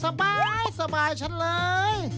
สบายสบายฉันเลย